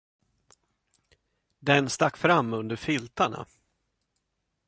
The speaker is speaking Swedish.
Den stack fram under filtarna.